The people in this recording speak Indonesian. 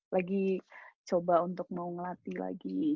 lagi coba untuk mau ngelatih lagi